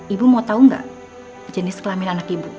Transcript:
ibu mau tau gak jenis kelamin anak ibu